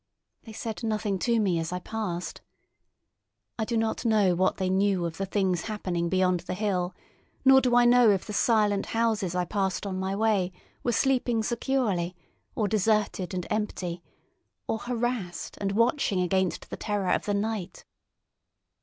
They said nothing to me as I passed. I do not know what they knew of the things happening beyond the hill, nor do I know if the silent houses I passed on my way were sleeping securely, or deserted and empty, or harassed and watching against the terror of the night.